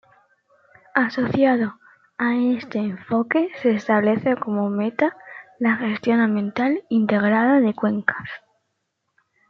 Asociado a este enfoque se establece como meta la Gestión Ambiental Integrada de Cuencas.